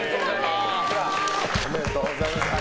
おめでとうございます。